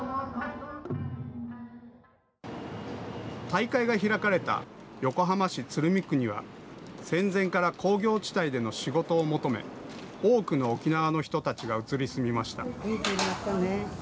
大会が開かれた横浜市鶴見区には戦前から工業地帯での仕事を求め多くの沖縄の人たちが移り住みました。